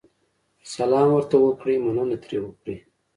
سلام ورته وکړئ، مننه ترې وکړئ.